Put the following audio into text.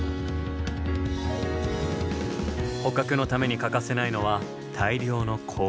捕獲のために欠かせないのは大量の氷。